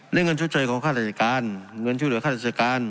เละเงินชุดเตยของเค้าโทษราชการ